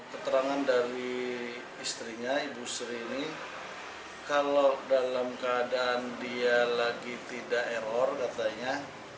keterangan dari istrinya ibu sri ini kalau dalam keadaan dia lagi tidak error katanya